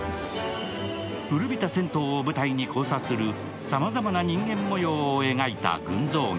古びた銭湯を舞台に交差するさまざまな人間模様を描いた群像劇。